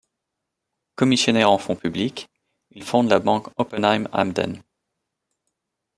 Commissionnaire en fonds publics, il fonde la banque Oppenheim-Emden.